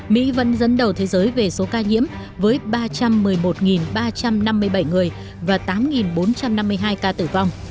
mỹ vẫn dẫn đầu thế giới về số ca nhiễm với ba trăm một mươi một ba trăm năm mươi bảy người và tám bốn trăm linh người